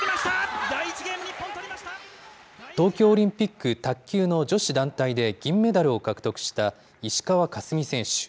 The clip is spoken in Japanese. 東京オリンピック卓球の女子団体で銀メダルを獲得した、石川佳純選手。